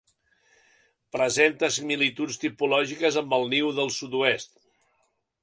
Presenta similituds tipològiques amb el niu del sud-oest.